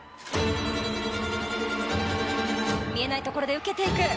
見えないところで受けていく。